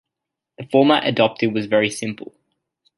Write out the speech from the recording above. The format adopted was very simple.